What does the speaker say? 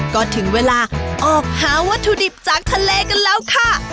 ก็ถึงเวลาออกหาวัตถุดิบจากทะเลกันแล้วค่ะ